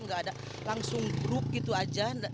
nggak ada langsung grup gitu aja